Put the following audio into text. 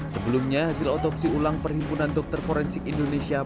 sebelumnya hasil otopsi ulang perhimpunan dokter forensik indonesia